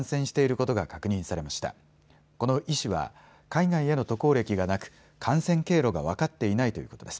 この医師は海外への渡航歴がなく感染経路が分かっていないということです。